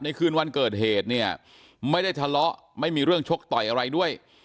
คืนวันเกิดเหตุเนี่ยไม่ได้ทะเลาะไม่มีเรื่องชกต่อยอะไรด้วย